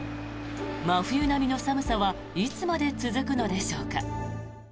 真冬並みの寒さはいつまで続くのでしょうか。